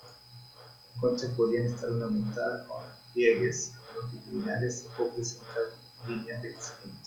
Las conchas podían estar ornamentadas con pliegues longitudinales o presentar líneas de crecimiento.